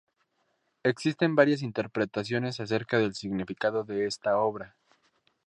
Existen varias interpretaciones acerca del significado de esta obra.